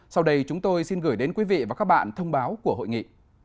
sau đây chúng tôi xin gửi đến quý vị và các bạn thông báo của hội nghị